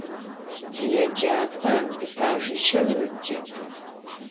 Tiêcap'er etajjişeu zetêt.